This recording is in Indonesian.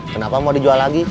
kenapa mau dijual lagi